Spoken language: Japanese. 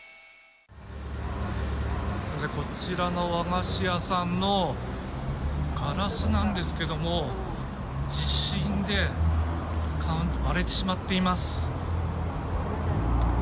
こちらの和菓子屋さんのガラスなんですが地震で割れてしまっています。